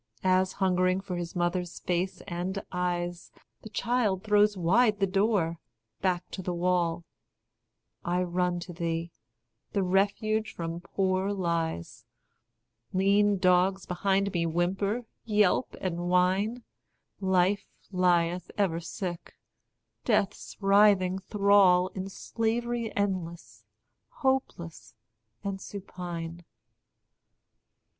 As, hungering for his mother's face and eyes, The child throws wide the door, back to the wall, I run to thee, the refuge from poor lies: Lean dogs behind me whimper, yelp, and whine; Life lieth ever sick, Death's writhing thrall, In slavery endless, hopeless, and supine.